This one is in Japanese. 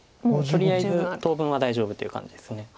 とりあえず当分は大丈夫という感じです。